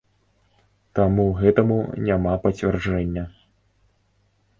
Таму гэтаму няма пацвярджэння.